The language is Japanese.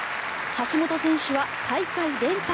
橋本選手は大会連覇。